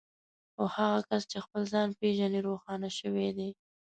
خو هغه کس چې خپل ځان پېژني روښانه شوی دی.